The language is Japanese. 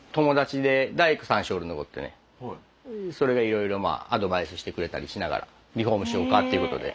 それがいろいろアドバイスしてくれたりしながらリフォームしようかっていうことで。